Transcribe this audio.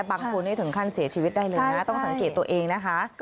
บางคนถึงขั้นเสียชีวิตได้เลยนะต้องสังเกตตัวเองนะคะ